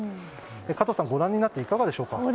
加藤さん、ご覧になっていかがでしょうか？